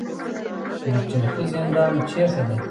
پل چرخي زندان چیرته دی؟